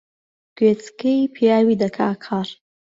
گوێچکەی پیاوی دەکا کەڕ